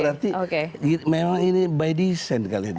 berarti memang ini by design kali ini